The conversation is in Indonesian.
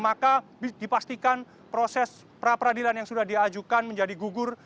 maka dipastikan proses pra peradilan yang sudah diajukan menjadi gugur